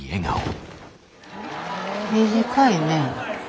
短いね。